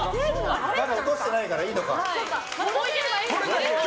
まだ落としてないからいいのか。